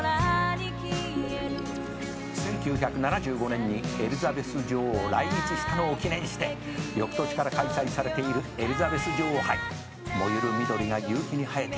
「１９７５年にエリザベス女王来日したのを記念して翌年から開催されているエリザベス女王杯」「もゆる緑が夕日に映えている」